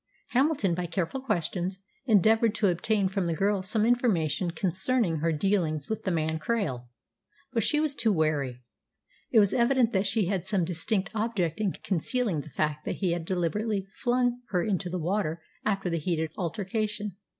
Hamilton, by careful questions, endeavoured to obtain from the girl some information concerning her dealings with the man Krail. But she was too wary. It was evident that she had some distinct object in concealing the fact that he had deliberately flung her into the water after that heated altercation.